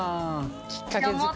きっかけ作りね。